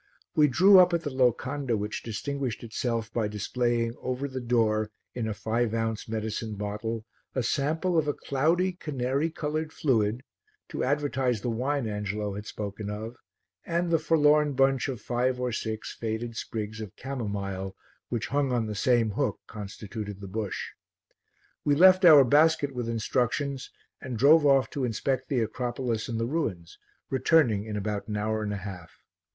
We drew up at the locanda which distinguished itself by displaying over the door, in a five ounce medicine bottle, a sample of a cloudy, canary coloured fluid to advertise the wine Angelo had spoken of, and the forlorn bunch of five or six faded sprigs of camomile which hung on the same hook constituted the bush. We left our basket with instructions and drove off to inspect the acropolis and the ruins, returning in about an hour and a half.